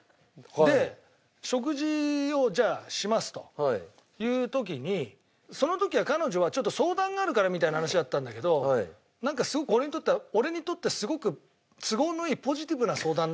で食事をじゃあしますという時にその時は彼女は「ちょっと相談があるから」みたいな話だったんだけどなんか俺にとってすごく都合のいいポジティブな相談だなって思っちゃったわけ。